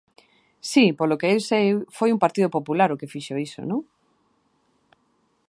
Si, polo que eu sei foi o Partido Popular o que fixo iso, ¿non?